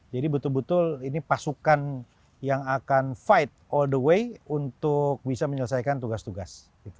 jadi betul betul ini pasukan yang akan fight all the way untuk bisa menyelesaikan tugas tugas